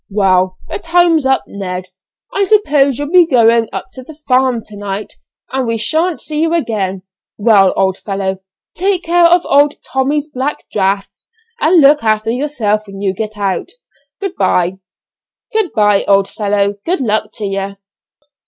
"Well, the time's up Ned, I suppose you'll be going up to the 'farm' to night, and we sha'n't see you again. Well, old fellow, take care of old Tommy's black draughts, and look after yourself when you get out. Good bye." "Good bye, old fellow, good luck to ye."